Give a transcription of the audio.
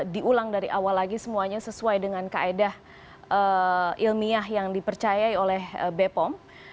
diulang dari awal lagi semuanya sesuai dengan kaedah ilmiah yang dipercayai oleh bepom